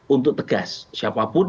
untuk tegas siapapun